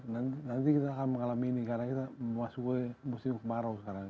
nanti kita akan mengalami ini karena kita memasuki musim kemarau sekarang